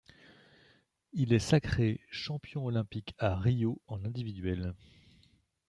Il est sacrée champion olympique a Rio en individuel.